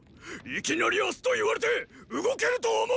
いきなり明日と言われて動けると思うのか！